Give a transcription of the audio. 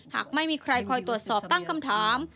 หากไม่มีใครคอยตรวจสอบตั้งคำถาม